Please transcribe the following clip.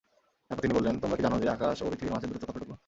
তারপর তিনি বললেনঃ তোমরা কি জান যে, আকাশ ও পৃথিবীর মাঝে দূরত্ব কতটুকু?